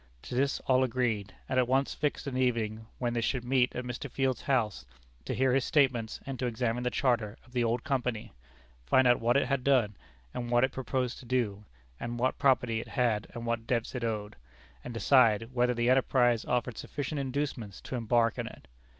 To this all agreed, and at once fixed an evening when they should meet at Mr. Field's house to hear his statements and to examine the charter of the old company, find out what it had done, and what it proposed to do, what property it had and what debts it owed; and decide whether the enterprise offered sufficient inducements to embark in it.